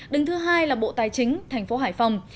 đứng thứ hai là bộ tài chính thành phố hải phòng